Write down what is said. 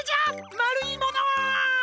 まるいものっ！